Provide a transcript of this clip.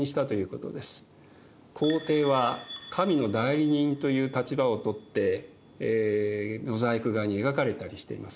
皇帝は神の代理人という立場を取ってモザイク画に描かれたりしています。